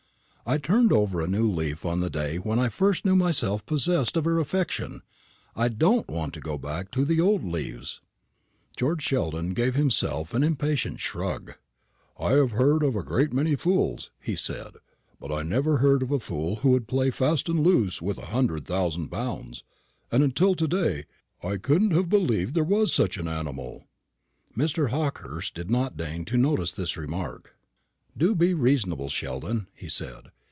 I turned over a new leaf on the day when I first knew myself possessed of her affection. I don't want to go back to the old leaves." George Sheldon gave himself an impatient shrug. "I have heard of a great many fools," he said, "but I never heard of a fool who would play fast and loose with a hundred thousand pounds, and until to day I couldn't have believed there was such an animal." Mr. Hawkehurst did not deign to notice this remark. "Do be reasonable, Sheldon," he said.